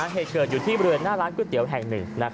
เหตุเกิดอยู่ที่บริเวณหน้าร้านก๋วยเตี๋ยวแห่งหนึ่ง